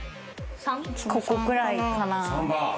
ここくらいかな。